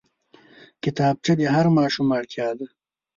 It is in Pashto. کتابچه د هر ماشوم اړتيا ده